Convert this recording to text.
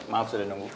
maaf sudah nunggu